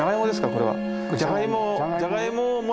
これは。